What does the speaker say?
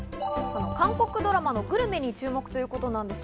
韓国ドラマのグルメに注目ということです。